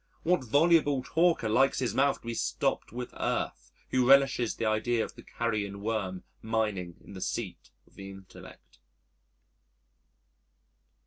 What voluble talker likes his mouth to be stopped with earth, who relishes the idea of the carrion worm mining in the seat of the intellect?